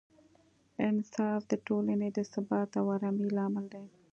انصاف د ټولنې د ثبات او ارامۍ لامل دی.